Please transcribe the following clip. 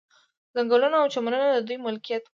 ځنګلونه او چمنونه د دوی ملکیت وو.